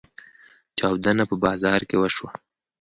چاودنه په بازار کې وشوه.